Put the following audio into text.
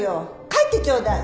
帰ってちょうだい！